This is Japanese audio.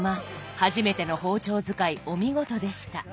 初めての包丁使いお見事でした。